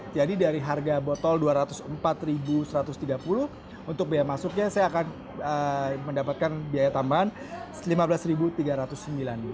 jadi dari harga botol dua ratus empat satu ratus tiga puluh untuk biaya masuknya saya akan mendapatkan biaya tambahan lima belas tiga ratus sembilan rupiah